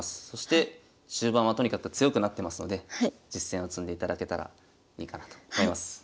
そして終盤はとにかく強くなってますので実戦を積んでいただけたらいいかなと思います。